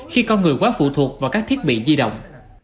khi con người quá phụ thuộc vào các thiết bị di động